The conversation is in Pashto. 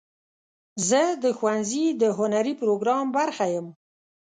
زه د ښوونځي د هنري پروګرام برخه یم.